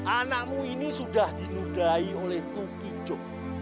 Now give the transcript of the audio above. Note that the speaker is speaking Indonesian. anakmu ini sudah dinudai oleh tukijo